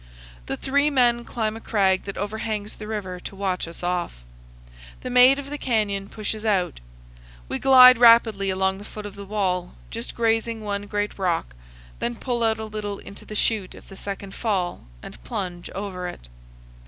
The three men climb a crag that overhangs the river to watch us off. The "Maid of the Canyon" pushes out. We glide rapidly along the foot of the wall, just grazing one great rock, then pull out a little into the chute of the second fall and plunge over it.